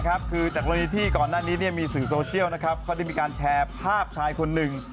คือจากกรณีที่ก่อนหน้านี้มีสื่อโซเชียลนะครับเขาได้มีการแชร์ภาพชายคนหนึ่ง